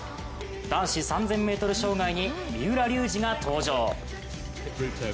男子３０００ｍ障害に三浦龍司が登場。